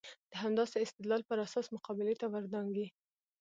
د همداسې استدلال پر اساس مقابلې ته ور دانګي.